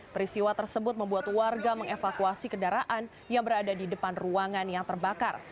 peristiwa tersebut membuat warga mengevakuasi kendaraan yang berada di depan ruangan yang terbakar